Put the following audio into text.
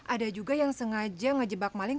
ada juga yang sengaja ngejebak maling